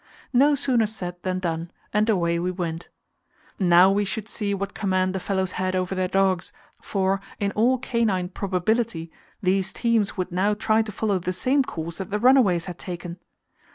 No sooner said than done, and away we went. Now we should see what command the fellows had over their dogs, for, in all canine probability, these teams would now try to follow the same course that the runaways had taken.